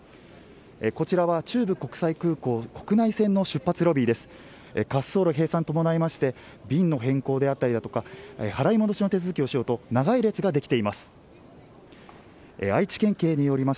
こちらは中部国際空港国内線の出発ロビーです。